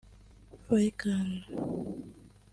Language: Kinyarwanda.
Faycal